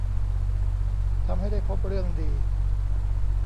ทำให้ได้พบเรื่องดี